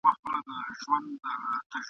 په دامونو کي مرغان چي بندېدله ..